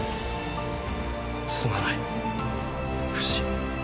すまないフシ。